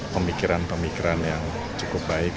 pemikiran pemikiran yang cukup baik